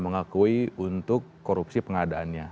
mengakui untuk korupsi pengadaannya